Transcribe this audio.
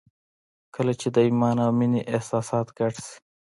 کله چې د ایمان او مینې احساسات ګډ شي